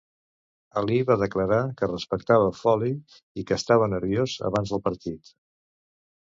Ali va declarar que respectava Folley i que estava nerviós abans del partit.